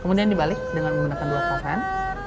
kemudian dibalik dengan menggunakan dua pasan